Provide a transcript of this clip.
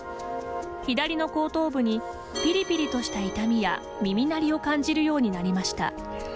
左の後頭部にピリピリとした痛みや耳鳴りを感じるようになりました。